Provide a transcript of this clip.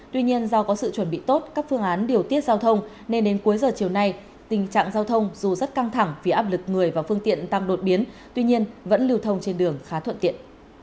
tuy nhiên do có sự chuẩn bị tốt các phương án điều tiết giao thông nên đến cuối giờ chiều nay tình trạng giao thông dù rất căng thẳng vì áp lực người và phương tiện tăng đột biến tuy nhiên vẫn lưu thông trên đường khá thuận tiện